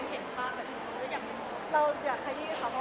พี่เซ้นไปถักเที่ยวเดี๋ยวแม่